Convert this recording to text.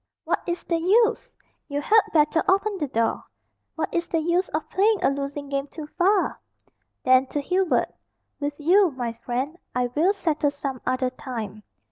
"What is the use? You had better open the door. What is the use of playing a losing game too far?" Then, to Hubert, "With you, my friend, I will settle some other time."